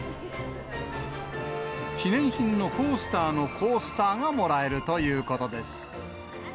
記念品のコースターのコースターがもらえるということです。